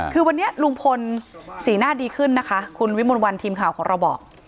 คือวันนี้ลุงพลสีหน้าดีขึ้นนะคะคุณวิมลวันทีมข่าวของเราบอก